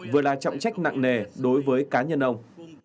vừa là trọng trách nặng nề đối với cá nhân ông